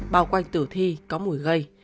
bao quanh tử thi có mùi gây